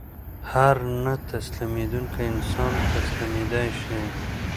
هر نه تسلیمېدونکی انسان تسلیمېدای شي